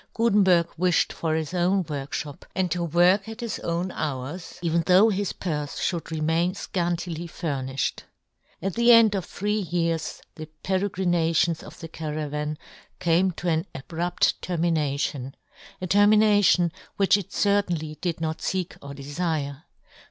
Gu tenberg wifhed for his own workfhop, and to work at his own hours, even though his purfe fhould remain fcantily furnifhed. 94 yohn Gutenberg. At the end of three years the peregrinations of the caravan came to an abrupt termination ; a termi nation which it certainly did not feek or defire.